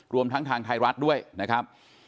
รวมทั้งทางไทยรัฐด้วยนะครับ